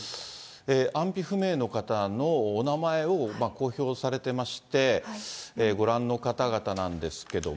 安否不明の方のお名前を公表されてまして、ご覧の方々なんですけれども。